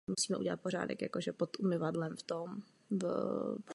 První úspěchy klubu byli již na začátku své klubové historie.